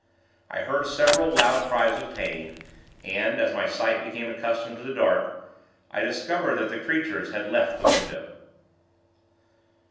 I heard several loud cries of pain, and, as my sight became accustomed to the dark, I discovered that the creatures had left the window.